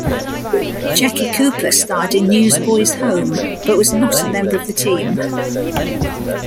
Jackie Cooper starred in "Newsboys' Home", but was not a member of the team.